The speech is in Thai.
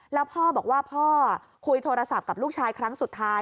แล้วพ่อบอกว่าพ่อคุยโทรศัพท์กับลูกชายครั้งสุดท้าย